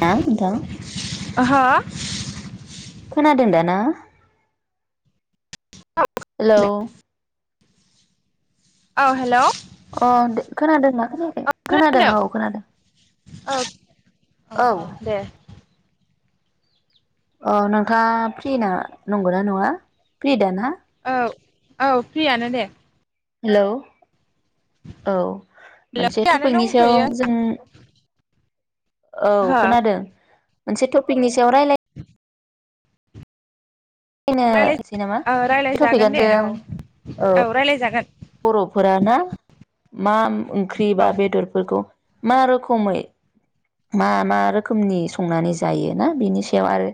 हा नोंथां आहा खोनादों दा ना? हेलौ, औ हेल' अ दे खोनादोंना खोनायाखै? खोनादों औ खोनादों औ अ औ अ दे अ नों गा फ्रिना नंगौना नङा फ्रिदा ना? औ औ फ्रियानो दे। हेलौ, औ मोनसे फ्रियानो टपिकनि सायाव दंथ'यो जों औ ओहो खोनादों। मोनसे टपिकनि सायाव राय रायलायनोसै रायलाय नामा ओ बे रायलायजागोन टपिकआनो दे जों औ औ रायलायजागोन । बर'फोर ना मा ओंख्रि औ बा बेदरफोरखौ मा रोखोमै मा मा रोखोमनि संनानै जायो ना बिनि सायाव आरो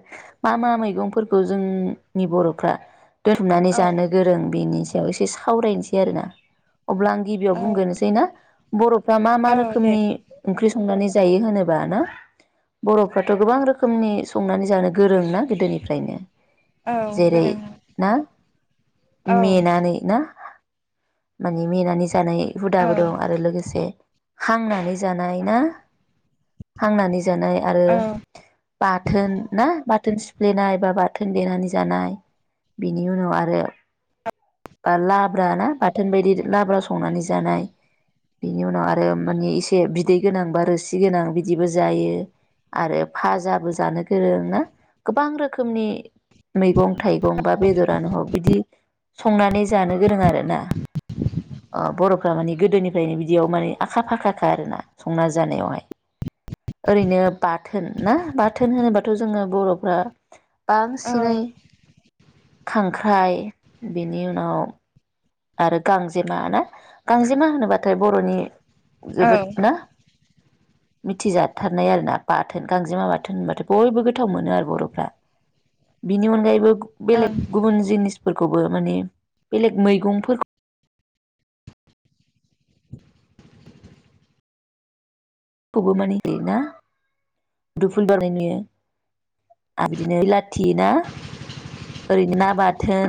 मा मा मैगंफोरखौ जोंनि बर'फ्रा दोननानै औ जानो गोरों बेनि सायाव एसे सावरायनोसै आरो ना अब्ला आं गिबियाव औ बुंग्रोनोसै ना बर' फ्रा मा मा औ दे रोखोमनि ओंख्रि संनानै जायो होनो बा ना बर'फ्राथ' गोबां रोखोमनि संनानै जानो गोरों ना गोदोनिफ्रायनो औ जेरै गोरों ना औ औ मेनानै ना मानि मेनानै जानाय हुदाबो औ दं आरो लोगोसे हांनानै जानाय ना हांनानै जानाय आरो बाथोन ना बा थोन सिफ्लेनाय बा बाथोन देनानै जानाय बेनि उनाव आरो बा लाब्रा ना बाथोन बायदि लाब्रा संनानै जानाय बिनि उनाव आरो माने इसे बिदै गोनां बा रोसि गोनां बिदिबो जायो आरो भाजाबो जानो गोरों ना गोबां रोखोमनि मैगं थाइगं बा बेदरानो हग बिदि संनानै जानो गोरों आरो ना अ बर'फ्रा माने गोदोनिफ्रायनो बिदियाव माने आखा फाखा खा आरोना संना जानायावहाय ओरैनो बाथोन ना बाथोन होनोबाथ' जोङो बर'फ्रा औ बांसिनै खांख्राइ, बेनि उनाव आरो गांजेमा ना गांजेमा होनोबाथाय बर'नि जोबोद ना मिथिजाथारनाय आरोना बाथोन गांजेमा बाथोन होनबाथाय बयबो गोथाव मोनो आरो बर'फ्रा बिनि अनगायैबो बेलेग ओं गुबुन जिनिस फोरखौबो माने बेलेग मैगं फोरख [inaudible] खौबो माने ना [unintelligible] दुफुल बारनाय नुयो आरो बिदिनो बिलाथि ना ओरैनो ना बाथोन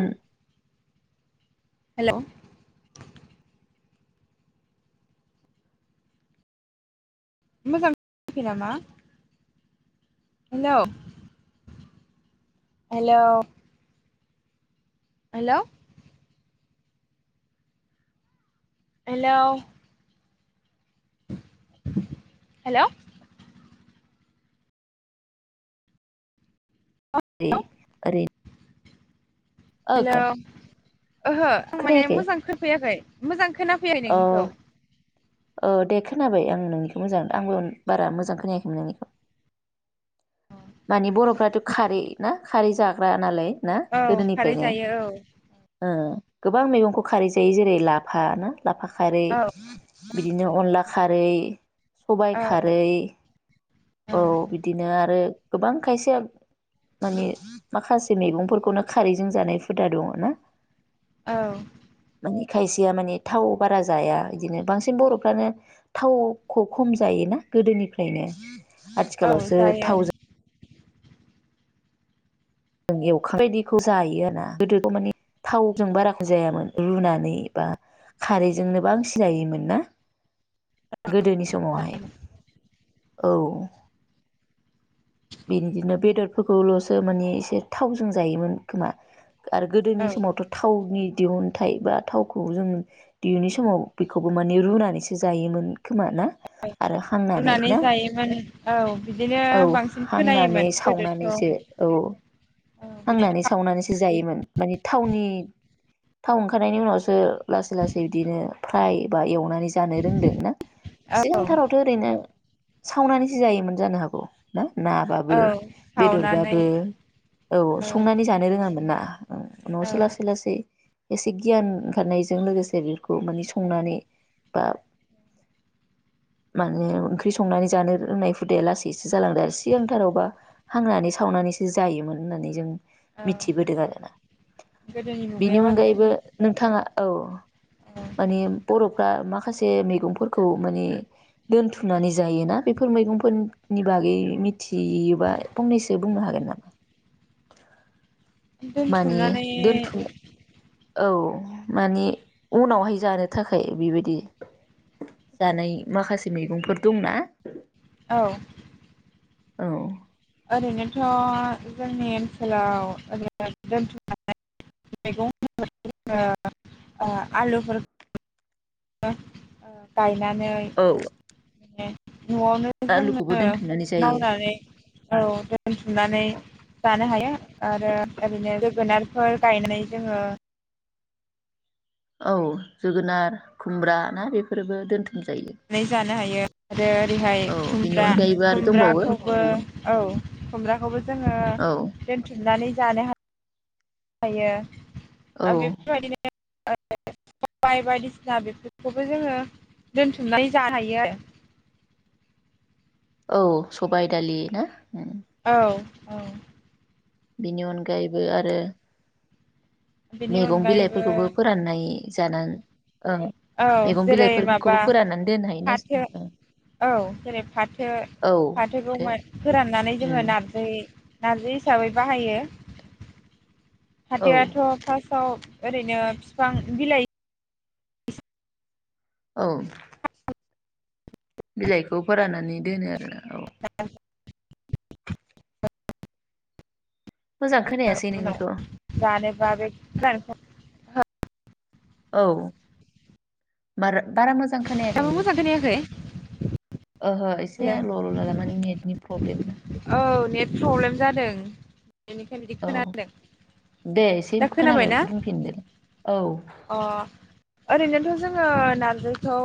हेल' मोजां [unintelligible] नायाखै नामा हेल हेल हेल हेल हेल [unintelligible] ओ हेल ओहो आं माने खोनायाखै मोजां खैफैयाखै। मोजां खोनाफैया अ नोंनिखौ औ दे खोनाबाय आं नोंनिखौ मोजां आंबो बारा मोजां खोनायाखैमोन नोंनिखौ। माने बर'फ्राथ खारै ना? खारै जाग्रा नालाय ना औ खारै गोदोनिफ्रायनो जायो गोबां मैगंखौ खारै जायो जेरै लाफा ना। लाफा खारै- औ बिदिनो अनला खारै- सबाय औ खारै- औ बिदिनो आरो गोबां खायसेया माने माखासे मैगंफोरखौनो खारैजों जानाय हुदा दङ ना? औ माने खायसेया माने थाव बारा जाया बिदिनो बांसिन बर'फ्रानो थावखौ खम जायोना गोदोनिफ्रायनो? औ आथिखालावसो जायो थावजों जों एवखा बायदिखौ जायो आरो ना गोदोथ माने थावजों बाराखौ जायामोन रुनानै बा खारैजोंनोबो बांसिन जायोमोन ना? गोदोनि समावहाय औ बिदिनो बेदरफोरखौलसो माने एसे थावजों जायोमोन खोमा। आरो औ गोदोनि समावथ थावनि दिहुनथाइ बा थावखौ जों दिहुनि समाव बेखौबो माने रुनानैसो जायोमोन खोमा ना आरो हांनानै रुनानै ना जायोमोन औ। बिदिनो औ बांसिन हांनानै खोनायोमोन गोदोथ' सावनानैसो औ बिदि हांनानै सावनानै सो जायोमोन माने थावनि थाव ओंखारनायनि उनावसो लासै लासै बिदिनो फ्राय बा एवनानै जानो रोंदों ना औ सिगांथारावथ ओरैनो सावनानैसो जायोमोन जानो हागौ ना? नाबाबो औ सावनानै बेदरबाबो औ संनानै जानो रोङामोन मोना ओं औ उनावसो लासै-लासै एसे गियान ओंखारनायजों लोगोसे बेखौ माने संनानै बा माने ओंख्रि संनानै जानो रोंनाय हुदाया लासै एसे जालांदों आरो सिगांथारावबा हांनानै सावनानैसो जायोमोन होननानै जों औ मिथिबोदों आरोना गोदोनि बिनि मुगायाव आरो अनगायैबो नोंथाङा औ औ माने बर'फ्रा मा माखासे मैगंफोरखौ माने दोनथुमनानै जायोना बेफोर मैगंफोरनि बागै मिथियोबा फंनैसो बुंनो हागोन नामा माने दोनथुमनानै दोनथुम औ माने उनावहाय जानो थाखाय बेबायदि जानाय माखासे मैगंफोर दंना औ औ ओरैनोथ' जोंनि ओनसोलाव ओरैनो दोनथुमनानै मैगं ओ आलुफोरखौ उम गायो नानै औ बिदिनो न'आवनो आलुखौबो जोङो दोनथुमनानै जायो मावनानै औ दोनथुमनानै जानो हायो आरो ओरैनो जोगोनार फोर गायनानै जोङो औ जोगोनार खुमब्रा ना बेफोरबो दोनथु नै जानो हायो आरो ओरैहाय औ बिनि खुमब्रा अनगायैबो आरो दंबावो खुमब्राखौबो उम औ खुमब्राखौबो जोंङो औ दोनथुमनानै जानो हा हायो औ ओ बेफोरबायदिनो सबाय बायदिसिना बेफोरखौबो जोङो दोनथुमनानै जानो हायो आरो । औ सबायाइ दालि ना उम्म। औ औ बिनि अनगायैबो आरो बेनि मैगं अनगायैबो बिलाइफोरखौबो फोराननाय जानाय औ जेरै माबा फोराननानै दोननो हायोना फाथो औ जेरै फाथो औ फाथोखौ फाथो फोराननानै जोङो उम नारजि नारजि हिसाबै बाहायो । औ फाथोआथ ' फार्स्ट आव ओरैनो बिफां बिलाइ औ बिलाइखौ फोराननानै दोनो आरोना । औ मोजां खोनायासै नोंनिखौ [unintelligible] औ मार बारा मोजां खोनायाखै दाबो मोजां नोंनिखौ खोनायाखै ओहो एसे हेल' लल' लाला मानि नेटनि प्रब्लेम ना । औ नेट प्रब्लेम जादों बेनिखायनो बिदि खोनादों दे एसे दा खोनाबाय खोनाबायना बुंफिनदोलाय औ अ ओरैनोथ' जो नारजिखौ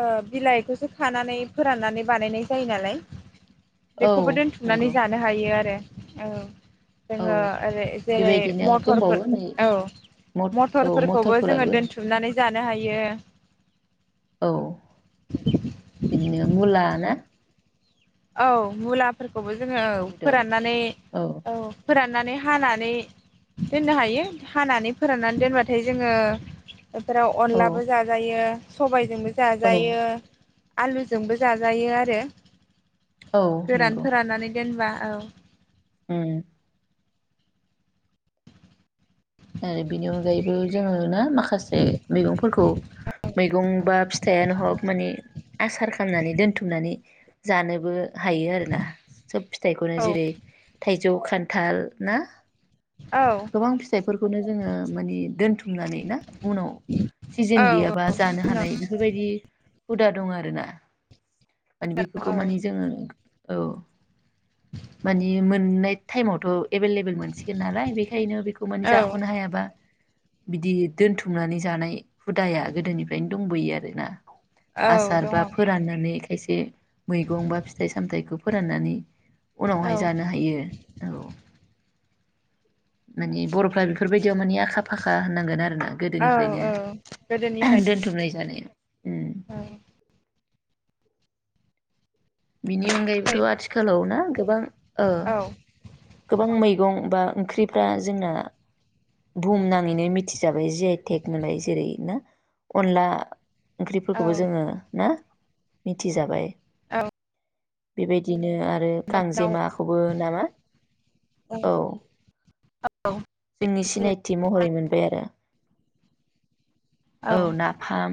ओ बिलाइखौसो खानानै फोराननानै बानायनाय जायो नालाय औ बेखौबो दोनथुमनानै नंगौ जानो हायो आरो । औ औ जोंङो एरै जेरै बेबायदिनो आरो दंबावो मटरफोर नै औ मथ औ मटरफोरखौबो जोंङो मथरफोराबो दोनथुमनानै जानो हायो औ । बिदिनो मुला ना औ मुला । फोरखौबो जोङो मुला औ बेदर फोराननानै औ फोराननानै हानानै दोननो हायो हानानै फोराननानै दोनबाथाय जोंङो बेफोराव औ अनलाबो जाजायो । सबाय जोंबो औ जाजायो आलुजोंबो जाजायो आरो । औ गोरान नंगौ फोराननानै दोनबा औ। उम। आरो बिनि अनगायैबो जोङो ना माखासे मैगंफोरखौ मैगं बा फिथायानो हग माने आसार खालामनानै दोनथुमनानै जानोबो हायो आरोना। सब फिथाइखौनो औ जेरै थाइ जौ खान्थाल ना? औ गोबां फिथाइफोरखौनो जोङो माने दोनथुमनानै ना उनाव सिजोन औ गैयाबा जानो हानाय बेफोरबायदि हुदा दं आरो ना। [unintelligible] औ खौ माने जोङो औ मानि मोननाय टाइमावथ' एभेलेबेल मोनसिगोन नालाय बेखायनो बेखौ माने औ जाख'नो हायाबा बिदि दोनथुमनानै जानाय हुदाया गोदोनिफ्रायनो दंबोयो आरोना। औ आसार दङ बा फोराननानै एसे मैगं बा फिथाइ सामथायाइखौ फोराननानै औ उनावहाय जानो हायो औ। माने बर'फ्रा बेफोरबायदियाव माने आख आखा फाखा होननांगोन आरोना औ गोदोनिफ्रायनो औ दोनथुमनाय जानाय। औ। बिनि औ अनगायैबोथ' आथिखालाव ना गोबां ओ औ गोबां मैगं बा ओंख्रिफ्रा जोंना बुहुम नाङैनो मिथिजाबाय जि आइटेक होनलाय जेरै ना अनला ओंख्रिफोरखौबो औ जोङो ना? मिथिजाबाय औ बेबायदि दिनो आरो दाउ गांजेमाखौबो नामा? औ। जोंनि सिनायथि महरै मोनबाय आरो। औ नाफाम।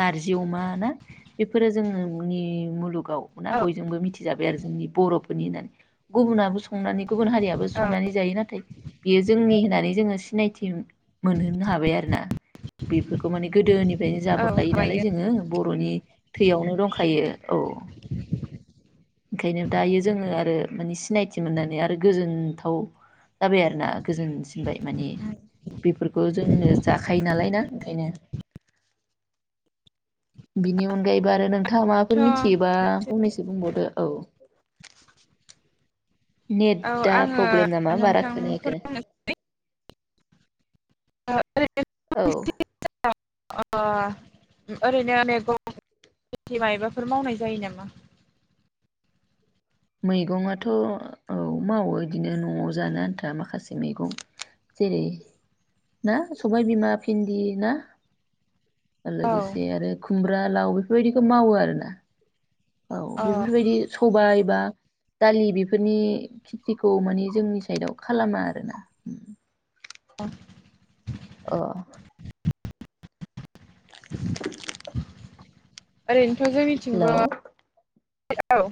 नारजि अमा ना बेफोरो जोंङोनि मुलुग औ ना बयजोंबो मिथिजाबाय आरो जोंनि बर' फोरनि होननानै गुबुनाबो संनानै गुबुन हारियाबो औ संनानै जायो नाथाय बियो जोंनि होननानै जोङो सि नायथिम मोनहोनो हाबाय आरो ना? बेफोरखौ माने गोदोनिफ्रायनो जाबोख नालाय हाबायो जोङो बर'नि थैयावनो दंखायो औ। ओंखायनो दायो जोङो आरो माने सिनायथि मोननानै आरो गोजोनथाव जाबाय आरोना गोजोनसिनबाय माने बेफोरखौ जोंनो जाखायो नालाय ना ओंखायनो बिनि अनगायैबो आरो नोंथाङा थ' माबाफोर मिथियोबा फंनैसो बुंबावदो। औ औ नेटा आङो प्रब्लेम नामा बारा नोंथांखौ खोनायाखै [unintelligible] औ अ ओरैनो [unintelligible] माबाफोर मावनाय जायो नामा? मैगंआथ' औ मावो बिदिनो न'आव जानो आन्था माखासे मैगं जेरै ना सबायबिमा भिन्दि ना औ लोगोसे आरो खुम ब्रा लाव बेफोरबायदिखौ मावो आरोना। औ अ बेफोरबायदि सबाय बा दालि बेफोरनि खेथिखौ माने जोंनि साइदाव खालामा आरोना। अ ओ [inaudible] ओरैनोथ' हेल' जोंनिथिंबो औ हेलौ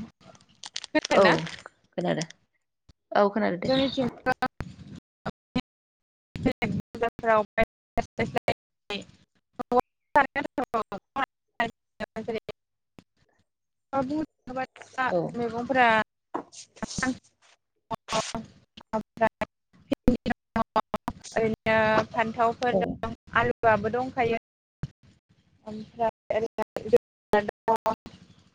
औ खोनादों। दे जोंनिथिंबो [unintelligible] औ [unintelligible] मैगंफोरा [unintelligible] ओरैनो फान्थावफोर औ दं आलु लु आबो दंखायो ओमफ्राय [unintelligible]